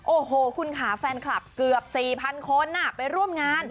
โอ้โหคุณค่ะแฟนคลับเกือบ๔๐๐คนไปร่วมงาน